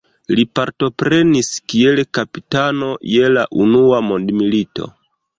Li partoprenis kiel kapitano je la unua mondmilito.